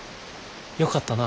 よかったな。